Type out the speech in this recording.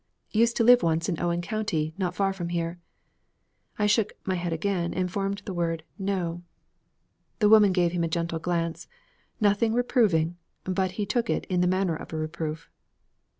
Used to live once in Owen County not far from here.' I shook my head again and formed the word 'No.' The woman gave him a gentle glance; nothing reproving, but he took it in the manner of reproof.